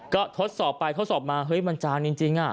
ก็ทดสอบไปเธอสอบมามันจางจริง